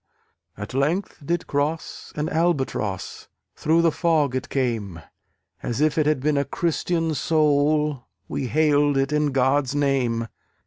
At length did cross an Albatross, Through the fog it came; As if it had been a Christian soul, We hailed it in God's name.